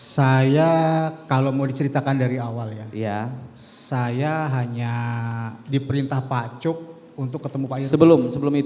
saya kalau mau diceritakan dari awal ya saya hanya diperintah pak cuk untuk ketemu pak yusuf